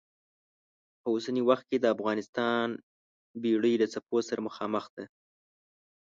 په اوسني وخت کې د افغانستان بېړۍ له څپو سره مخامخ ده.